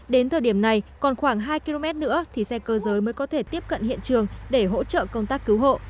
đến thời điểm này còn khoảng hai km nữa thì xe cơ giới mới có thể tiếp cận hiện trường để hỗ trợ công tác cứu hộ